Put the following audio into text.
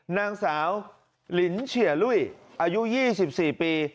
นางสาวลินเฉียลุ้ยอายุ๒๔ปี